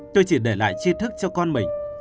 tôi chỉ để lại chi thức cho con mình